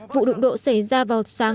vụ đụng độ xảy ra vào sáng